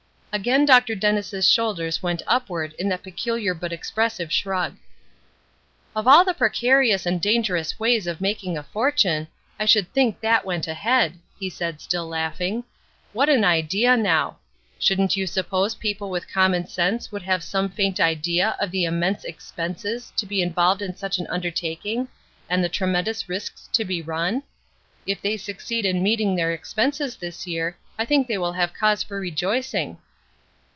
Again Dr. Dennis' shoulders went upward in that peculiar but expressive shrug. "Of all the precarious and dangerous ways of making a fortune, I should think that went ahead," he said, still laughing. "What an idea now! Shouldn't you suppose people with common sense would have some faint idea of the immense expenses to be involved in such an undertaking, and the tremendous risks to be run? If they succeed in meeting their expenses this year I think they will have cause for rejoicing."